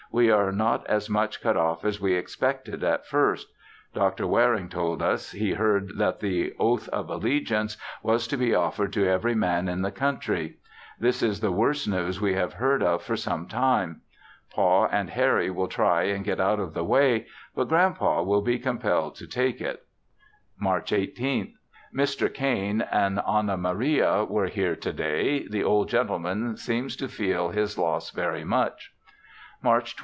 We are not as much cut off as we expected at first. Dr. Waring told us he heard that the oath of allegiance was to be offered to every man in the country. This is the worst news we have heard of for some time. Pa and Harry will try and get out of the way, but Grand Pa will be compelled to take it. March 18th. Mr. Cain and Anna Maria were here to day; the old gentleman seems to feel his loss very much. March 20th.